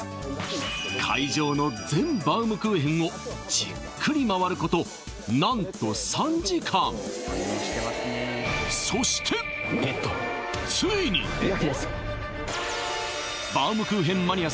会場の全バウムクーヘンをじっくり回ることなんと３時間ゲットやりました